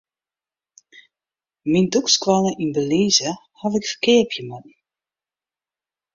Myn dûkskoalle yn Belize haw ik ferkeapje moatten.